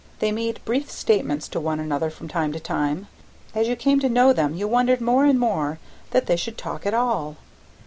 They made brief statements to one another from time to time. As you came to know them you wondered more and more that they should talk at all.